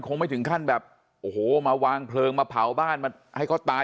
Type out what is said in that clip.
ไม่ถึงขั้นแบบโอ้โหมาวางเพลิงมาเผาบ้านมาให้เขาตาย